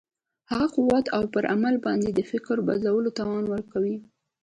هغه قوت او پر عمل باندې د فکر بدلولو توان ورکوي.